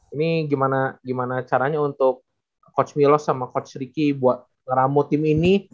ini gimana caranya untuk coach milo sama coach ricky buat ngeramu tim ini